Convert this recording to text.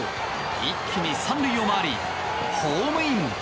一気に３塁を回りホームイン。